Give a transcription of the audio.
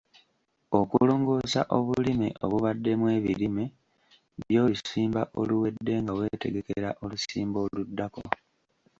Okulongoosa obulime obubaddemu ebirime by'olusimba oluwedde nga weetegekera olusimba oluddako.